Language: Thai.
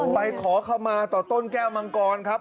ขอเข้ามาต่อต้นแก้วมังกรครับ